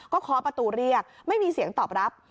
เคาะประตูเรียกไม่มีเสียงตอบรับ